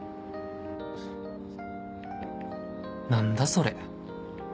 「何だ？それ」